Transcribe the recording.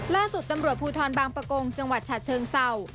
ล่าสุดตำรวจภูทรบางประกงจังหวัดฉะเชิงเศร้า